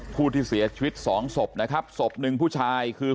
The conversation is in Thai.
ผู้ที่เสียชีวิตสองศพนะครับศพหนึ่งผู้ชายคือ